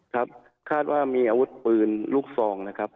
ครับคาดว่ามีอาวุธปืนลูกซองนะครับ